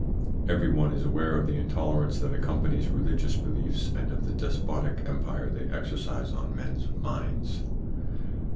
Every one is aware of the intolerance that accompanies religious beliefs, and of the despotic empire they exercise on men's minds.